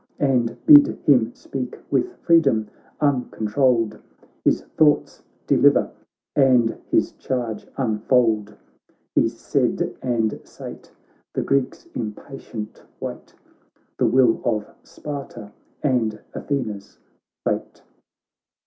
And bid him speak with freedom uncon trolled. His thoughts deliver and his charge un fold.' .". '^f^ai He said and sate — the Greeks iiiiiperi^S wait The will of Sparta and Athena's fate.